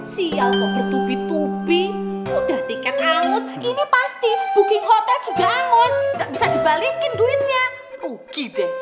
siap tupi tupi udah tiket angus ini pasti booking hotel juga anggot bisa dibalikin duitnya